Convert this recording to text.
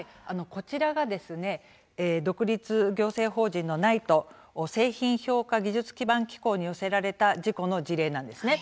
こちらが独立行政法人のＮＩＴＥ、製品評価技術基盤機構に寄せられた事故の事例なんです。